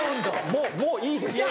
もういいです。